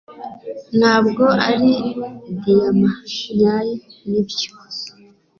Ntabwo ari diyama nyayo nibyo